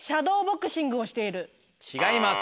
違います。